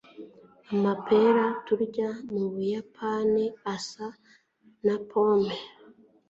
Amapera turya mu Buyapani asa na pome